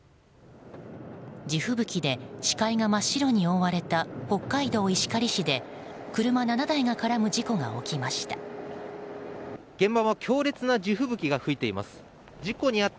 地吹雪で視界が真っ白に覆われた北海道石狩市で車７台が絡む事故が起きました。